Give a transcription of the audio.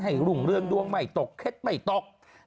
ให้ลุงเรื่องดวงไม่ตกเท็จไม่ตก